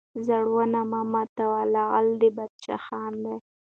زړونه مه ماتوه لعل د بدخشان دی